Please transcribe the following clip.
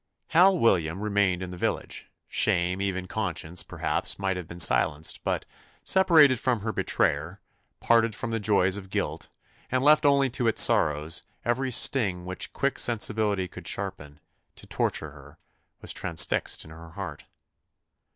Hal William remained in the village, shame, even conscience, perhaps, might have been silenced; but, separated from her betrayer, parted from the joys of guilt, and left only to its sorrows, every sting which quick sensibility could sharpen, to torture her, was transfixed in her heart.